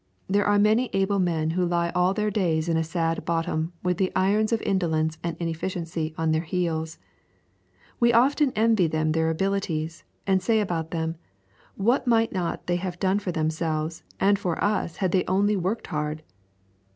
There are many able men who lie all their days in a sad bottom with the irons of indolence and inefficiency on their heels. We often envy them their abilities, and say about them, What might they not have done for themselves and for us had they only worked hard?